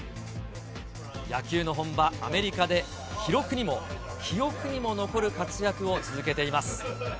野球の本場アメリカで、記録にも、記憶にも残る活躍を続けています。